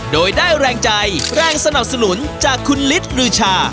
โดยได้แรงใจแรงสนับสนุนจากคุณฤทธิ์รือชา